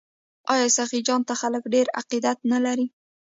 آیا سخي جان ته خلک ډیر عقیدت نلري؟